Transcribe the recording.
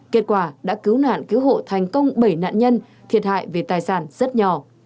kết quả đã cứu nạn cứu hộ thành công bảy nạn nhân thiệt hại về tài sản rất nhỏ